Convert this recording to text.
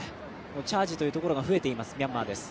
チャージというところが増えています、ミャンマーです。